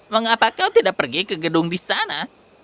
mengapa kau tidak pergi ke gedung di sana